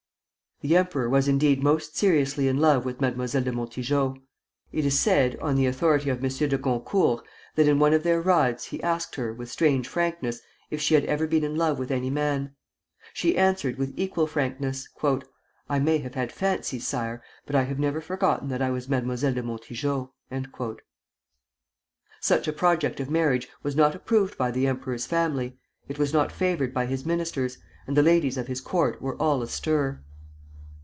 The emperor was indeed most seriously in love with Mademoiselle de Montijo. It is said, on the authority of M. de Goncourt, that in one of their rides he asked her, with strange frankness, if she had ever been in love with any man. She answered with equal frankness, "I may have had fancies, sire, but I have never forgotten that I was Mademoiselle de Montijo." [Footnote 1: Pierre de Lano. La Cour de L'Empereur Napoléon III.] Such a project of marriage was not approved by the emperor's family, it was not favored by his ministers, and the ladies of his court were all astir.